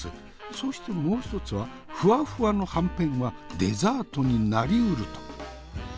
そしてもう一つはふわふわのはんぺんはデザートになりうると。